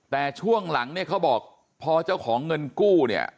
แต่ช่วงหลังเนี่ยเขาบอกพอเจ้าของเงินกู้เนี่ย